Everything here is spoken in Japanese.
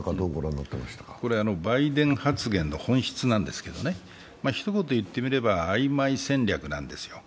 バイデン発言の本質なんですけど、ひと言言ってみれば、曖昧戦略なんですよ。